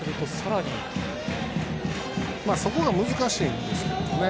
そこが難しいんですけどね。